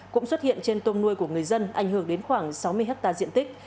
cũng xuất hiện trên tôm nuôi của người dân ảnh hưởng đến khoảng sáu mươi hectare diện tích